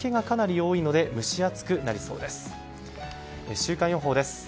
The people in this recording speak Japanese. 週間予報です。